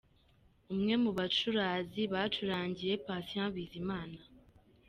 Umwe mu bacuranzi bacurangiye Patient Bizimana.